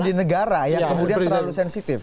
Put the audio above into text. di negara yang kemudian terlalu sensitif